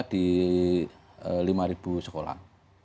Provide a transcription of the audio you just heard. di lima sekolah